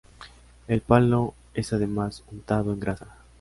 El palo es además untado en grasa.